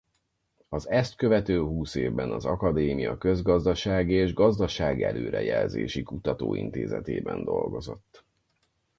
Az ezt követő húsz évben az akadémia Közgazdasági és Gazdaság-előrejelzési Kutatóintézetében dolgozott.